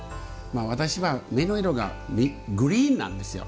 私は目の色がグリーンなんですよ。